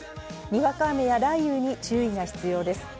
にわか雨や雷雨に注意が必要です。